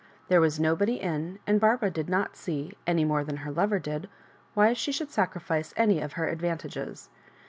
There was no body in, and Barbara did not see, an^ more than her lover did, why she should sacrifice any of her advantages.